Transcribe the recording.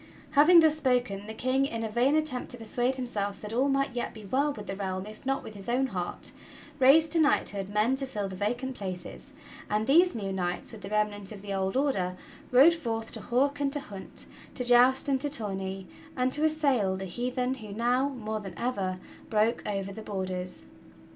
Having thus spoken the King, in a vain attempt to persuade himself that all might yet be well with the realm if not with his own heart, raised to knighthood men to fill the vacant places, and these new knights with the remnant of the old Order rode forth to hawk and to hunt, to joust and to tourney, and to assail the heathen who now, more than ever, broke over the borders.